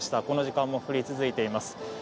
この時間も降り続いています。